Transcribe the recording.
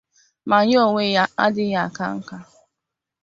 Ma ya onwe ya adịghị aka nka